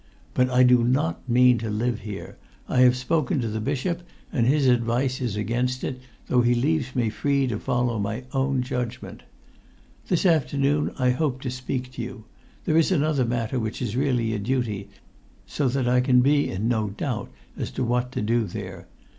"But I do not mean to live here. I have spoken to the bishop, and his advice is against it, though he leaves me free to follow my own judgment. This afternoon I hoped to speak to you. There is another matter which is really a duty, so that I can be in no doubt as to what to do there.